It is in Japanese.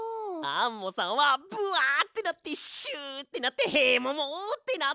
アンモさんはブワってなってシュってなってヘモモってなってるんだ！